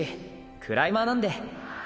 クライマーなんで。